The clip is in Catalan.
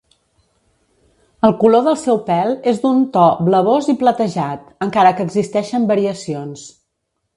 El color del seu pèl és d'un to blavós i platejat, encara que existeixen variacions.